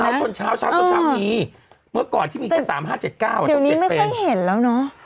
ช้าวช้าวช้าวช้าวช้าวนี้เมื่อก่อนที่มีแค่สามห้าเจ็ดเก้าอ่ะเดี๋ยวนี้ไม่ค่อยเห็นแล้วเนอะ